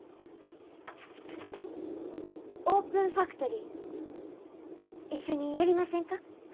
オープンファクトリー一緒にやりませんか？